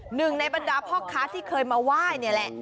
หนึ่งในบรรดาพ่อค้าที่เคยมาไหว้นี่แหละ